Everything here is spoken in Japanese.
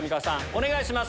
お願いします！